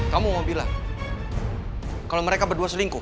kamu mau bilang kalau mereka berdua selingkuh